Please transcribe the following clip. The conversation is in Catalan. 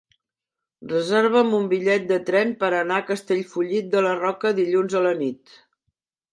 Reserva'm un bitllet de tren per anar a Castellfollit de la Roca dilluns a la nit.